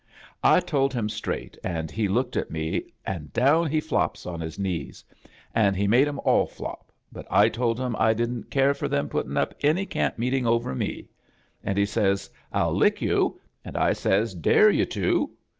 "I told him straight, an* he looked at me, an' down he flops on his knees. An' he made 'em all flop, but I told him I didn't care for them potting up any camp meet ing over me; an' he says, 'I'll lick you,' an* I says, 'Dare you to!'